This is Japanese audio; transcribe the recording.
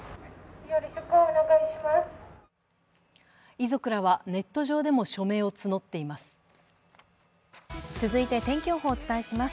遺族らはネット上でも署名を募っています。